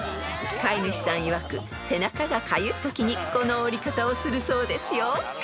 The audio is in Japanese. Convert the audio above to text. ［飼い主さんいわく背中がかゆいときにこの下り方をするそうですよ］